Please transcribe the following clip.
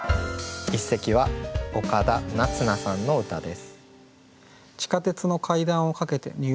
一席は岡田捺那さんの歌です。